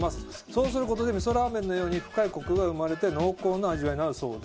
そうする事で味噌ラーメンのように深いコクが生まれて濃厚な味わいになるそうですと。